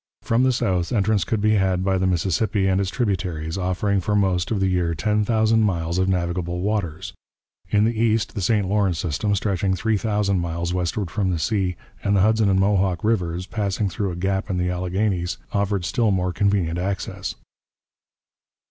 From the south, entrance could be had by the Mississippi and its tributaries, offering for most of the year ten thousand miles of navigable waters. In the east the St Lawrence system, stretching three thousand miles westward from the sea, and the Hudson and Mohawk rivers, passing through a gap in the Alleghanies, offered still more convenient access.